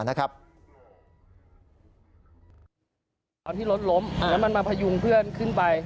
ตอนที่รถล้มแล้วมันมาพยุงเพื่อนขึ้นไป